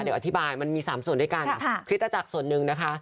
เดี๋ยวอธิบายมันมี๓ส่วนด้วยกันคริสตจักรส่วนหนึ่งนะคะ